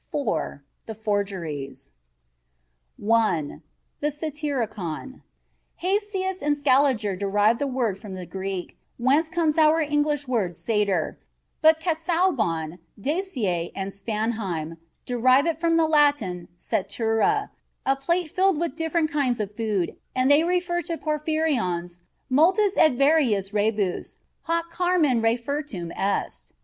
4. The Forgeries. I THE SATYRICON. Heinsius and Scaliger derive the word from the Greek, whence comes our English word satyr, but Casaubon, Dacier and Spanheim derive it from the Latin 'satura,' a plate filled with different kinds of food, and they refer to Porphyrion's 'multis et variis rebus hoc carmen refertum est.